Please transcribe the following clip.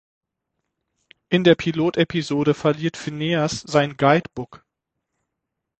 In der Pilotepisode verliert Phineas sein „Guide-Book“.